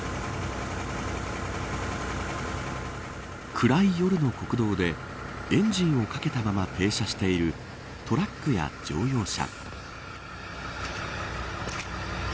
暗い夜の国道でエンジンをかけたまま停車しているトラックや乗用車。